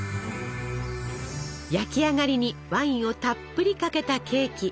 焼き上がりにワインをたっぷりかけたケーキ。